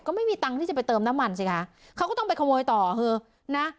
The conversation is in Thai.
ก็ไม่มีตังค์ที่จะไปเติมน้ำมันสิคะเขาก็ต้องไปขโมยต่อเถอะนะ